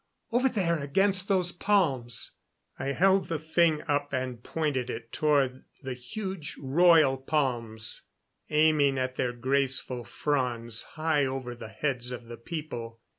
Over there against those palms." I held the thing up and pointed it toward the huge royal palms, aiming at their graceful fronds high over the heads of the people.